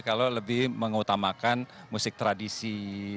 kalau lebih mengutamakan musik tradisi